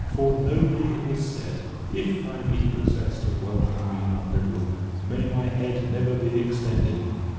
For nobly it was said: 'If I be possessed of wealth and be not liberal, may my head never be extended!'"